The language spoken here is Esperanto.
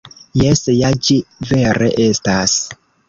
Jes, ja, ĝi vere estas!